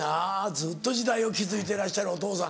ずっと時代を築いてらっしゃるお父さん。